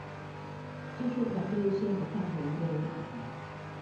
技術團隊先不看合約的問題